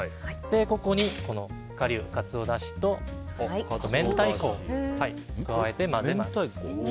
ここに顆粒カツオだしと明太子を加えて混ぜます。